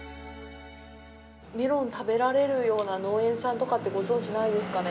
メロン食べられるような農園さんとかってご存じないですかね。